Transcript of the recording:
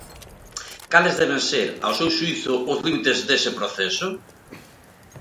Cales deben ser, ao seu xuízo, os límites dese proceso?